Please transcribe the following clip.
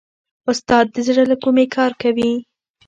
استاد د زړه له کومې کار کوي.